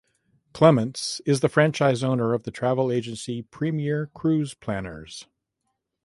Clements is the franchise owner of the travel agency Premier Cruise Planners.